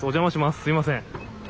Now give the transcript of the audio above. すみません。